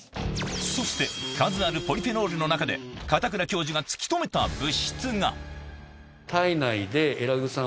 そして数あるポリフェノールの中で片倉教授が突き止めた物質が！